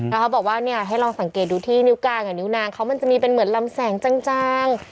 แล้วเขาบอกว่าเนี่ยให้ลองสังเกตดูที่นิ้วกลางกับนิ้วนางเขามันจะมีเป็นเหมือนลำแสงจาง